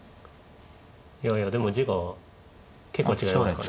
いやいやでも地が結構違いますかね。